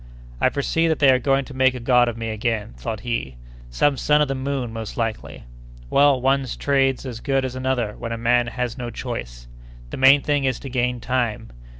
"I foresee that they are going to make a god of me again," thought he, "some son of the moon most likely. Well, one trade's as good as another when a man has no choice. The main thing is to gain time.